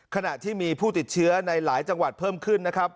ขณะที่มีผู้ติดเชื้อในหลายจังหวัดเพิ่มขึ้นนะครับ